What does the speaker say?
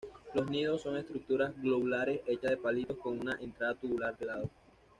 Los nidos son estructuras globulares hechas de palitos con una entrada tubular de lado.